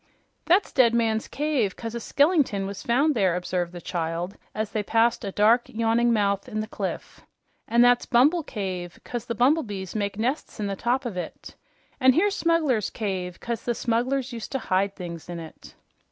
"That's Dead Man's Cave, 'cause a skellington was found there," observed the child as they passed a dark, yawning mouth in the cliff. "And that's Bumble Cave, 'cause the bumblebees make nests in the top of it. And here's Smuggler's Cave, 'cause the smugglers used to hide things in it."